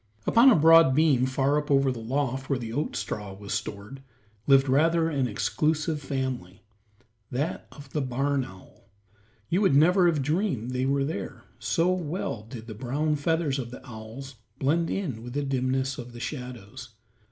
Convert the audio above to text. Upon a broad beam far up over the loft where the oat straw was stored, lived rather an exclusive family, that of the barn owl. You would never have dreamed they were there, so well did the brown feathers of the owls blend in with the dimness of the shadows.